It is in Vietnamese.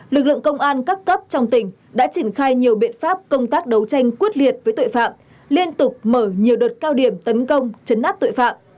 lực lượng công an các cấp trong tỉnh đã triển khai nhiều biện pháp công tác đấu tranh quyết liệt với tội phạm liên tục mở nhiều đợt cao điểm tấn công chấn áp tội phạm